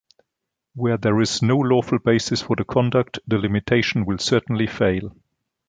Where there is no lawful basis for the conduct the limitation will certainly fail.